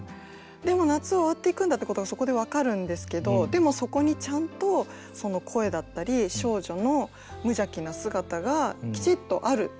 でもう夏終わっていくんだってことがそこで分かるんですけどでもそこにちゃんと声だったり少女の無邪気な姿がきちっとある。